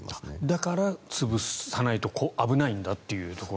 だから潰さないと危ないんだと。